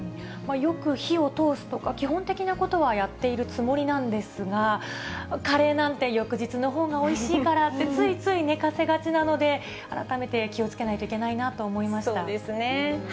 よく火を通すとか、基本的なことはやっているつもりなんですが、カレーなんて、翌日のほうがおいしいからって、ついつい寝かせがちなので、改めて気をつけないといけないなそうですね。